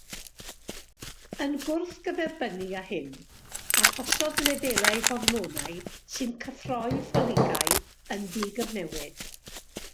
Yn gwrthgyferbynnu â hyn, arhosodd lefelau hormonau sy'n cyffroi ffoliglau yn ddigyfnewid.